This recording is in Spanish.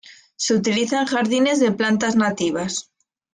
Se utiliza en jardines de plantas nativas.